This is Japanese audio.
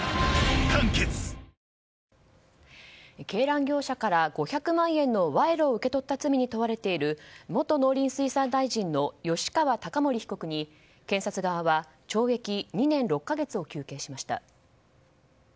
鶏卵業者から５００万円の賄賂を受け取った罪に問われている元農林水産大臣の吉川貴盛被告に検察側は懲役２年６か月を求刑しました。